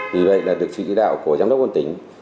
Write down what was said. vì vậy được chỉ đạo của giám đốc quân tỉnh